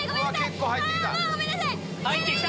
結構入ってきた。